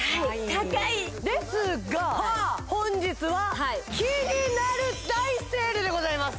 高いですが本日はキニナル大セールでございます